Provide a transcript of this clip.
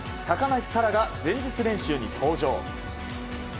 高梨沙羅が前日練習に登場。